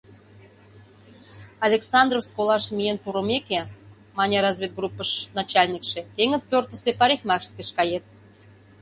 — Александровск олаш миен пурымеке, — мане разведгруппыш начальникше, — теҥыз пӧртысӧ парикмахерскийыш кает.